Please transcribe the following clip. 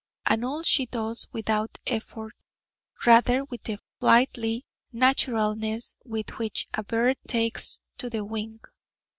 And all she does without effort: rather with the flighty naturalness with which a bird takes to the wing.